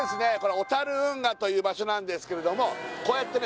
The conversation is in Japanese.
小樽運河という場所なんですけれどもこうやってね